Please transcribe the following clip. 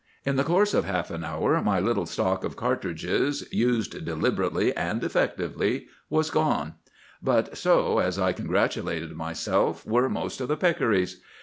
] "In the course of half an hour my little stock of cartridges, used deliberately and effectively, was gone; but so, as I congratulated myself, were most of the peccaries.